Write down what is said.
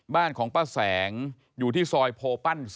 บ้านของป้าแสงอยู่ที่ซอยโพปั้น๔